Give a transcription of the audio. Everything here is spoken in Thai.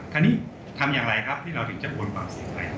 คราวนี้ทำอย่างไรครับที่เราถึงจะโอนความเสี่ยงภัย